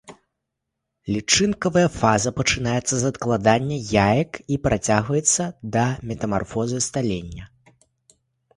Лічынкавая фаза пачынаецца з адкладвання яек і працягваецца да метамарфозы сталення.